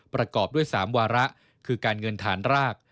ประกอบด้วย๓วาระคือการเงินฐานราก